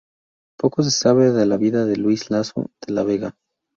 Poco se sabe de la vida de Luis Lasso de la Vega.